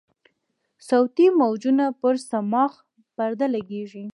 صوتي موجونه پر صماخ پرده لګیږي.